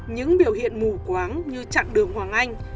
những biểu hiện mù quáng như chặng đường hoàng anh